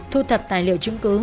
thu thập tài liệu chứng cứ